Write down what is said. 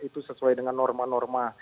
itu sesuai dengan norma norma